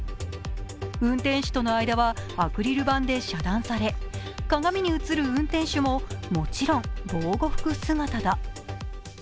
運転手との間は、アクリル板で遮断され鏡に映る運転手も、もちろん防護服姿だ。